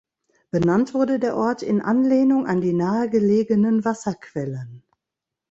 Benannt wurde der Ort in Anlehnung an die nahegelegenen Wasserquellen.